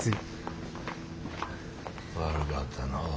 悪かったのう